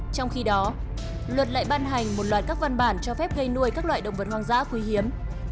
trong khi đó luật lại ban hành một loạt các văn bản cho phép gây nuôi các loại động vật hoang dã quý hiếm